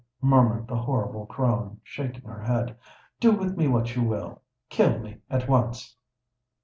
murmured the horrible crone, shaking her head. "Do with me what you will—kill me at once!"